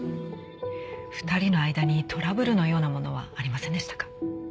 ２人の間にトラブルのようなものはありませんでしたか？